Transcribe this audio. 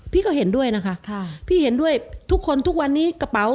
พี่ก็เห็นด้วยนะคะทุกคนทุกวันนี้กระเป๋า